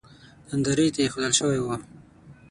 نندارې ته اېښودل شوی و.